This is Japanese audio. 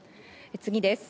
次です。